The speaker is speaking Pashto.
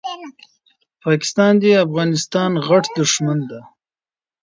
پاکستان دي افغانستان غټ دښمن ده